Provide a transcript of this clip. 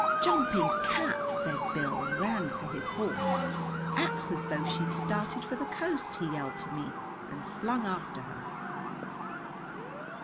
"Jumping cats!" said Bill, and ran for his horse. "Acts as though she'd started for the Coast!" he yelled to me, and flung after her.